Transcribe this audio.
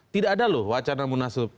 tidak ada loh wacana munas lup